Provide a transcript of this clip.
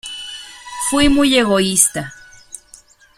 Fui muy egoísta.